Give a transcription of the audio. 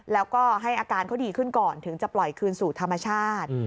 แล้วก็ให้อาการเขาดีขึ้นก่อนถึงจะปล่อยคืนสู่ธรรมชาติ